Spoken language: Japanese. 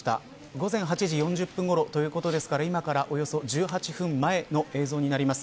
午前８時４０分ごろということですから今からおよそ１８分前の映像になります。